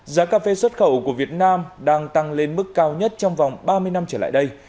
giá cà phê xuất khẩu của việt nam đang tăng lên mức cao nhất trong vòng ba mươi năm trở lại đây